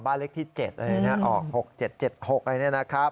บ้านเล็กที่๗อะไรอย่างนี้ออก๖๗๗๖อะไรอย่างนี้นะครับ